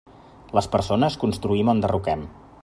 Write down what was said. Les persones construïm o enderroquem.